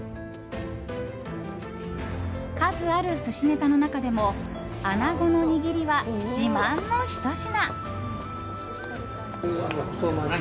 数ある寿司ネタの中でも穴子のにぎりは自慢のひと品！